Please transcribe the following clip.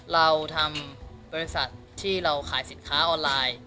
เราทำบริษัทที่เราขายสินค้าออนไลน์